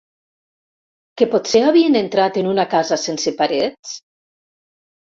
Que potser havien entrat en una casa sense parets?